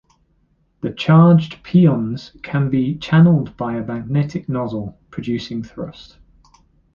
The charged pions can be channelled by a magnetic nozzle, producing thrust.